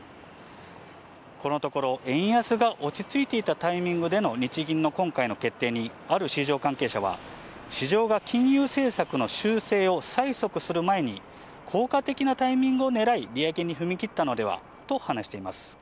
このところ、円安が落ち着いていたタイミングでの日銀の今回の決定に、ある市場関係者は、市場が金融政策の修正を催促する前に、効果的なタイミングを狙い、利上げに踏み切ったのではと話しています。